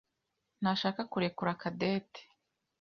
ntashaka kurekura Cadette.